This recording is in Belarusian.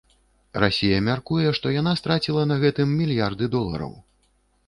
Расія мяркуе, што яна страціла на гэтым мільярды долараў.